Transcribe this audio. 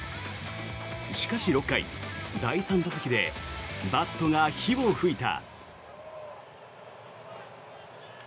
しかし、６回第３打席でバットが火を噴いた。